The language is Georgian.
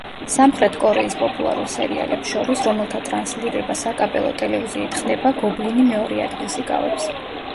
სამხრეთ კორეის პოპულარულ სერიალებს შორის, რომელთა ტრანსლირება საკაბელო ტელევიზიით ხდება, გობლინი მეორე ადგილს იკავებს.